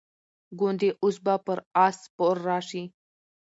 ګوندي اوس به پر آس سپور راشي.